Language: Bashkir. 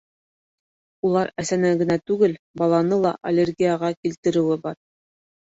Улар әсәне генә түгел, баланы ла аллергияға килтереүе бар.